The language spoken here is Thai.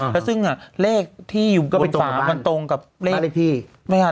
แล้วซึ่งอ่ะเลขที่อยู่ก็เป็นฝามันตรงกับเลขไม่ค่ะ